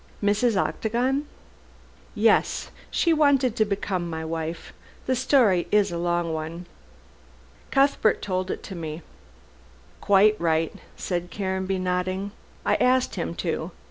"Mrs. Octagon?" "Yes! She wanted to become my wife. The story is a long one." "Cuthbert told it to me." "Quite right," said Caranby, nodding, "I asked him to.